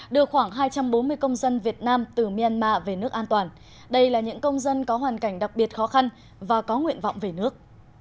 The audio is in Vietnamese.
đưa khoảng hai trăm bốn mươi công dân việt nam từ myanmar về nước an toàn đây là những công dân có hoàn cảnh đặc biệt khó khăn và có nguyện vọng về nước